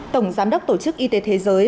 tổng giám đốc tổ chức y tế thế giới